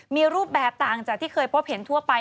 มีรูปแบบต่างจากที่เคยพบเห็นทั่วไป